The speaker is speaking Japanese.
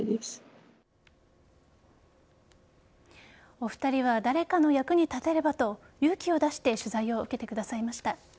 お二人は誰かの役に立てればと勇気を出して取材を受けてくださいました。